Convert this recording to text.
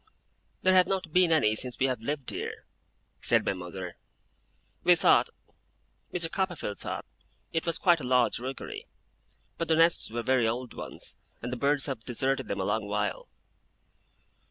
'There have not been any since we have lived here,' said my mother. 'We thought Mr. Copperfield thought it was quite a large rookery; but the nests were very old ones, and the birds have deserted them a long while.